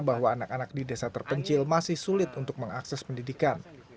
bahwa anak anak di desa terpencil masih sulit untuk mengakses pendidikan